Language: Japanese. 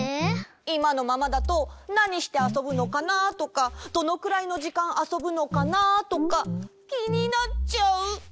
いまのままだとなにしてあそぶのかなとかどのくらいのじかんあそぶのかなとかきになっちゃう。